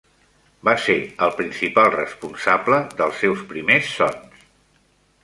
Va ser el principal responsable dels seus primers sons.